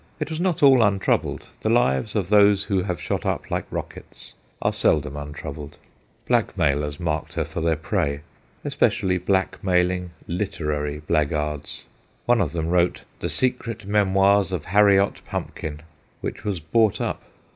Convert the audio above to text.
It was not all untroubled : the lives of those who have shot up like rockets are seldom untroubled. Blackmailers marked her for their prey, especially blackmailing 216 THE GHOSTS OF PICCADILLY * literary ' blackguards. One of them wrote The Secret Memoirs of Harriot Pumpkin, which was bought up.